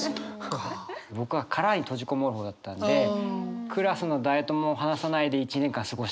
僕は殻に閉じ籠もる方だったんでクラスの誰とも話さないで１年間過ごしたりとか。